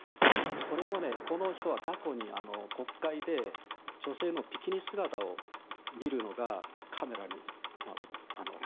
それもね、この人は過去に国会で女性のビキニ姿を見るのがカメラに。